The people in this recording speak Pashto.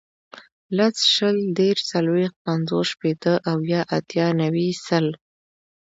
لس, شل, دېرس, څلوېښت, پنځوس, شپېته, اویا, اتیا, نوي, سل